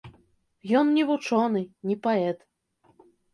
Ён не вучоны, не паэт.